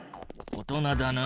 大人だな。